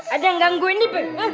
ada yang ganggu ini